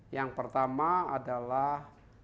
yang pertama adalah